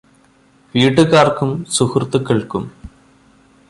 വീട്ടുകാർക്കും സുഹൃത്തുക്കള്ക്കും